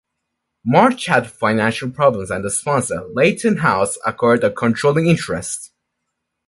March had financial problems and a sponsor, Leyton House, acquired a controlling interest.